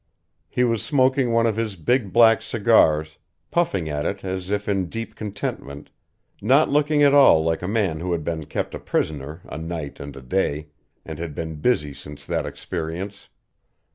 He was smoking one of his big, black cigars, puffing at it as if in deep contentment, not looking at all like a man who had been kept a prisoner a night and a day, and had been busy since that experience.